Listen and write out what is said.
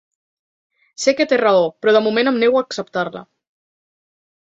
Sé que té raó, però de moment em nego a acceptar-la.